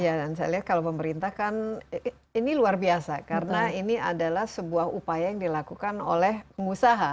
iya dan saya lihat kalau pemerintah kan ini luar biasa karena ini adalah sebuah upaya yang dilakukan oleh pengusaha